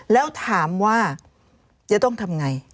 แล้วถามว่าจะต้องทำอย่างไร